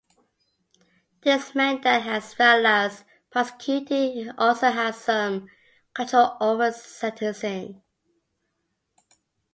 This meant that, as well as prosecuting, he also had some control over sentencing.